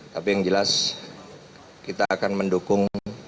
tapi yang jelas kita akan mendukung